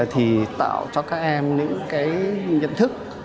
thì tạo cho các em những cái nhận thức